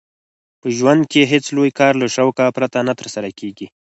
په ژوند کښي هېڅ لوى کار له شوقه پرته نه ترسره کېږي.